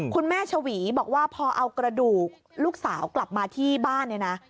คุณแม่ฉวีบอกว่าพอเอากระดูกลูกสาวกลับมาที่บ้าน